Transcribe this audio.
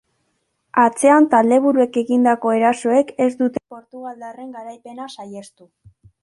Atzean taldeburuek egindako erasoek ez dute portugaldarraren garaipena saihestu.